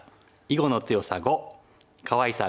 囲碁の強さ５